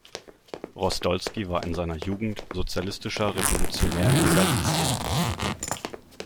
Rosdolsky war in seiner Jugend sozialistischer Revolutionär in Galizien.